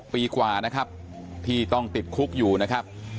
ปีกว่านะครับที่ต้องติดคุกอยู่นะครับ